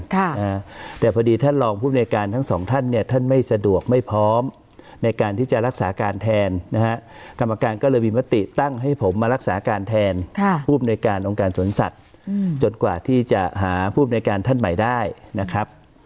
แต่พอดีท่านรองภูมิในการทั้งสองท่านเนี่ยท่านไม่สะดวกไม่พร้อมในการที่จะรักษาการแทนนะฮะกรรมการก็เลยมีมติตั้งให้ผมมารักษาการแทนค่ะผู้อำนวยการองค์การสวนสัตว์จนกว่าที่จะหาผู้อำนวยการท่านใหม่ได้นะครับ